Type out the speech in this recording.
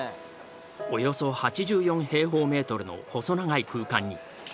およそ８４平方メートルの細長い空間に４つの部屋がある。